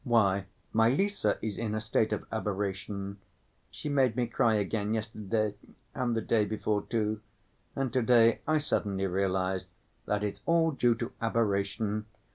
Why, my Lise is in a state of aberration. She made me cry again yesterday, and the day before, too, and to‐day I suddenly realized that it's all due to aberration.